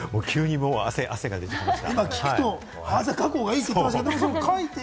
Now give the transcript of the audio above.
急に汗が出てきました。